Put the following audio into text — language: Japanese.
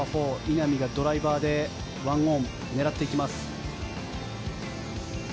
稲見がドライバーで１オンを狙っていきます。